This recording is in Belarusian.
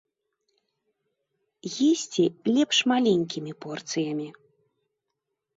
Есці лепш маленькімі порцыямі.